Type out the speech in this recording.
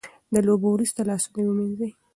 د لوبو وروسته لاسونه ومینځئ.